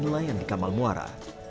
nelayan di kamal muara